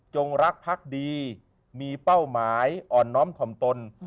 รักพักดีมีเป้าหมายอ่อนน้อมถ่อมตน